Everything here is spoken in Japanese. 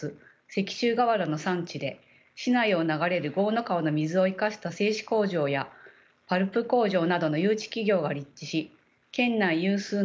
石州瓦の産地で市内を流れる江の川の水を生かした製糸工場やパルプ工場などの誘致企業が立地し県内有数の「工都」と呼ばれていました。